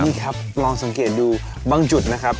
ครับลองสังเกตดูบางจุดนะครับ